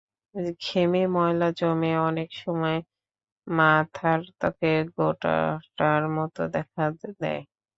ঘেমে, ময়লা জমে অনেক সময় মাথার ত্বকে গোটার মতো দেখা দেয়।